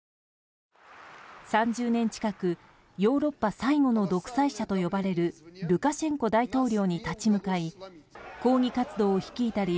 ３０年近く、ヨーロッパ最後の独裁者と呼ばれるルカシェンコ大統領に立ち向かい抗議活動を率いたり